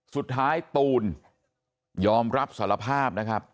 สุดท้ายตูนยอมรับสารภาพนะครับ